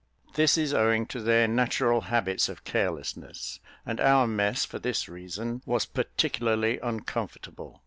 This is owing to their natural habits of carelessness; and our mess, for this reason, was particularly uncomfortable.